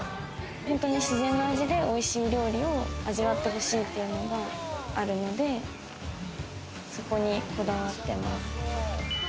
本当に自然の味でおいしい料理を味わって欲しいというのがあるので、そこにこだわってます。